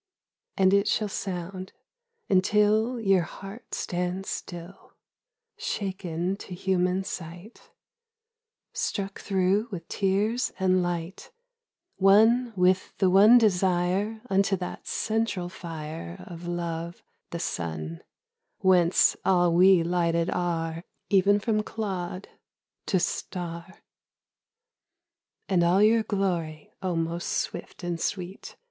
And it shall sound, until Your heart stand still; Shaken to human sight; Struck through with tears and light; One with the one desire Unto that central Fire Of Love the Sun, whence all we lighted are Even from clod to star. And all your glory, O most swift and sweet!